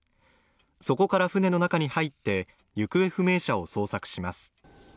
そこから船の中に入って行方不明者を捜索します